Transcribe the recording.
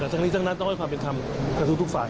แต่จากนี้จากนั้นต้องให้ความเป็นธรรมกับทุกฝ่าย